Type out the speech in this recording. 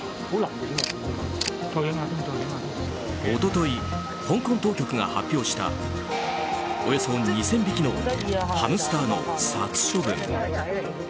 一昨日、香港当局が発表したおよそ２０００匹のハムスターの殺処分。